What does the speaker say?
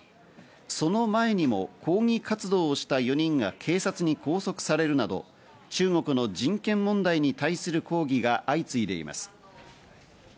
その前にも抗議活動をした４人が警察に拘束されるなど、中国の人権問題に対する抗議が相次いでいます。